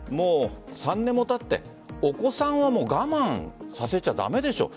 ３年もたって、お子さんは我慢させちゃ駄目でしょう。